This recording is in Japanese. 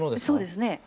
そうですね。